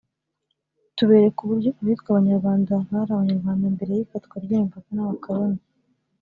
tubereka uburyo abitwa Abanyarwanda bari Abanyarwanda mbere y’ikatwa ry’imipaka n’abakoroni